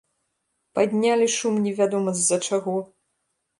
Паднялі шум невядома з-за чаго!